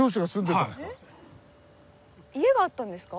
家があったんですか？